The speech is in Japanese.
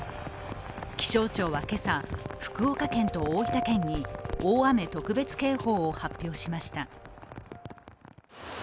気象庁は今朝、福岡県と大分県に大雨特別警報を発表しました。